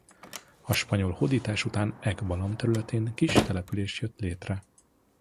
A spanyol hódítás után Ek Balam területén kis település jött létre.